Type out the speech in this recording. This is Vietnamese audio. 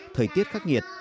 thời tiết khắc nghiệt